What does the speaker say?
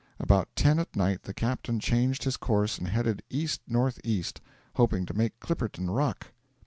About ten at night the captain changed his course and headed east north east, hoping to make Clipperton Rock.